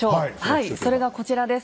それがこちらです。